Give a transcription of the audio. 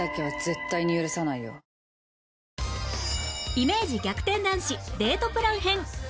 イメージ逆転男子デートプラン編